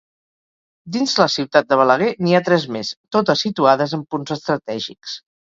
Dins la ciutat de Balaguer n'hi ha tres més, totes situades en punts estratègics.